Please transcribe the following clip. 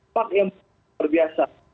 pak yang berbiasa